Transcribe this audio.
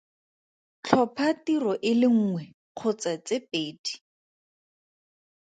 Tlhopha tiro e le nngwe kgotsa tse pedi.